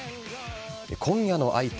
今夜の相手・